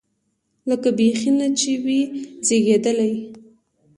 لکه بيخي نه چې وي زېږېدلی.